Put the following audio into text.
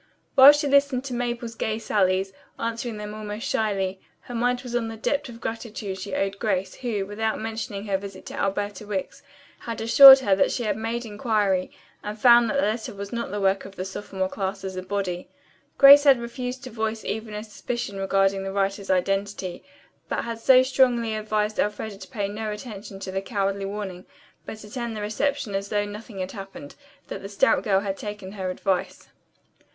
While she listened to Mabel's gay sallies, answering them almost shyly, her mind was on the debt of gratitude she owed Grace, who, without mentioning her visit to Alberta Wicks, had assured her that she had made inquiry and found that the letter was not the work of the sophomore class as a body. Grace had refused to voice even a suspicion regarding the writer's identity, but had so strongly advised Elfreda to pay no attention to the cowardly warning, but attend the reception as though nothing had happened, that the stout girl had taken her advice.